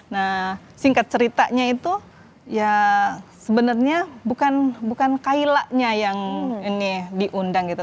nah singkat ceritanya itu ya sebenarnya bukan kaylanya yang ini diundang gitu